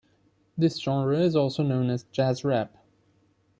This genre is also known as jazz rap.